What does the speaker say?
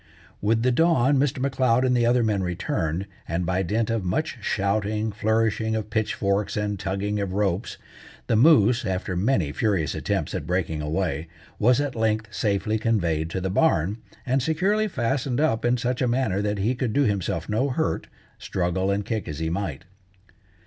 With the dawn Mr. M'Leod and the other men returned, and by dint of much shouting, flourishing of pitchforks, and tugging of ropes, the moose, after many furious attempts at breaking away, was at length safely conveyed to the barn, and securely fastened up in such a manner that he could do himself no hurt, struggle and kick as he might.